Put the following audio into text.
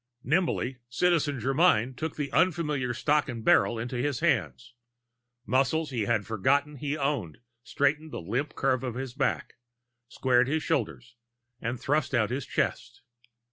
Numbly, Citizen Germyn took the unfamiliar stock and barrel into his hands. Muscles he had forgotten he owned straightened the limp curve of his back, squared his shoulders and thrust out his chest.